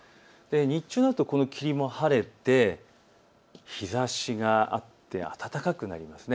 日中になるとこの霧も晴れて日ざしがあって暖かくなります。